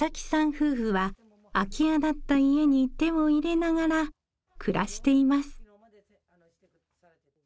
夫婦は空き家だった家に手を入れながら暮らしています。